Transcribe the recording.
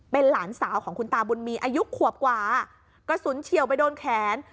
เป็นหลานสาวของคุณตาบุญมีอายุขวบกว่ากระสุนเฉียวไปโดนแขน